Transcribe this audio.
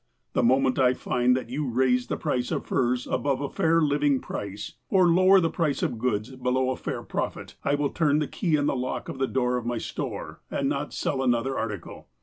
The moment I find that you raise the price of furs above a fair living price, or lower the price of goods below a fair profit, I will turn the key in the lock of the door of my store, and not sell another article.